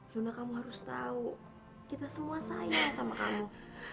juna kamu harus tahu kita semua sayang sama kamu